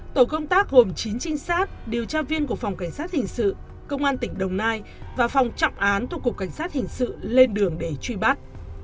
tổ công tác gồm chín trinh sát điều tra viên của phòng cảnh sát hình sự công an tỉnh đồng nai và phòng trọng án thuộc cục cảnh sát hình sự lên đường để truy bắt